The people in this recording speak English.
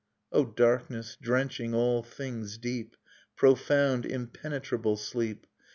O darkness, drenching all things deep. Profound impenetrable sleep.